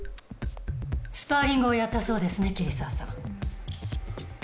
スパーリングをやったそうですね桐沢さん。